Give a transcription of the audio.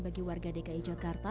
bagi warga dki jakarta